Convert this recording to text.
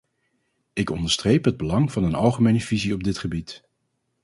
Ik onderstreep het belang van een algemene visie op dit gebied.